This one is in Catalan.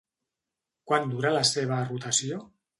Quant dura la seva rotació?